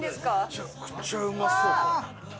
めちゃくちゃうまそう！